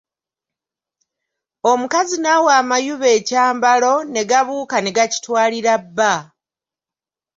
Omukazi n'awa amayuba ekyambalo ne gabuuka ne gakitwalira bba.